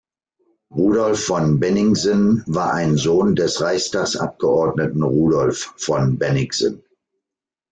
Rudolf von Bennigsen war ein Sohn des Reichstagsabgeordneten Rudolf von Bennigsen.